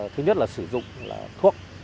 thứ nhất là sử dụng thuốc